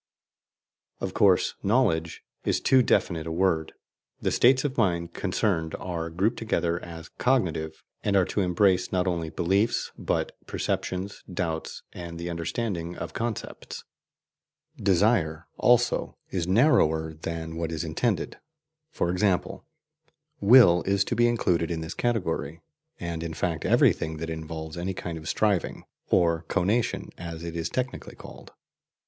Of course, "knowledge" is too definite a word: the states of mind concerned are grouped together as "cognitive," and are to embrace not only beliefs, but perceptions, doubts, and the understanding of concepts. "Desire," also, is narrower than what is intended: for example, WILL is to be included in this category, and in fact every thing that involves any kind of striving, or "conation" as it is technically called.